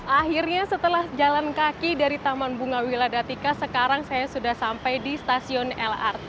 akhirnya setelah jalan kaki dari taman bunga wiladatika sekarang saya sudah sampai di stasiun lrt